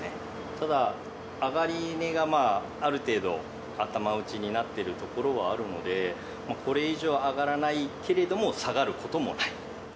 ただ、上がり値がある程度、頭打ちになっているところはあるので、これ以上上がらないけれども、下がることもない。